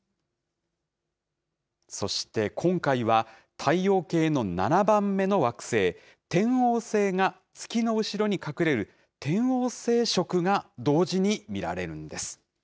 そして今回は、太陽系の７番目の惑星、天王星が月の後ろに隠れる、天王星食が同時に見られるんです。